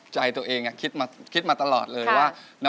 ใจตัวเองคิดมาตลอดเลยว่า